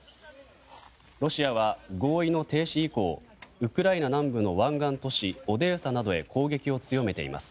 ロシアは合意の停止以降ウクライナ南部の湾岸都市オデーサなどへ攻撃を強めています。